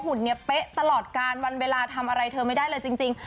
ุ่นเนี่ยเป๊ะตลอดการวันเวลาทำอะไรเธอไม่ได้เลยจริง